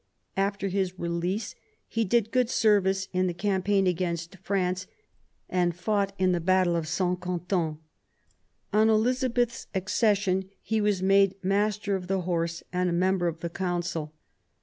After his release he did good service in the campaign against France, and fought in the battle of St. Quentin. On Elizabeth's ac cession he was made Master of the Horse and a member of the Council.